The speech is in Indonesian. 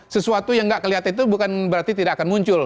sesuatu yang nggak kelihatan itu bukan berarti tidak akan muncul